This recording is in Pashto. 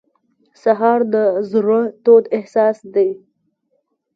سهار د زړه تود احساس دی.